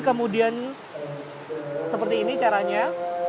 kemudian seperti ini caranya